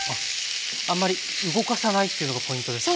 あんまり動かさないというのがポイントですか？